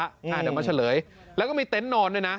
เดี๋ยวมาเฉลยแล้วก็มีเต็นต์นอนด้วยนะ